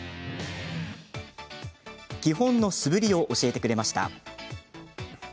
基本の素振りを教えてくれました。